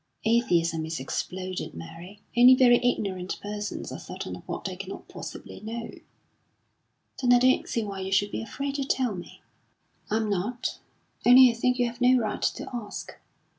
"Atheism is exploded, Mary. Only very ignorant persons are certain of what they cannot possibly know." "Then I don't see why you should be afraid to tell me." "I'm not; only I think you have no right to ask.